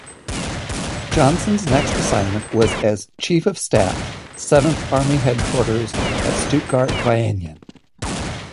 Johnson's next assignment was as chief of staff, Seventh Army Headquarters at Stuttgart-Vaihingen.